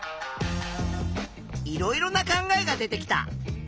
いろいろな考えが出てきた。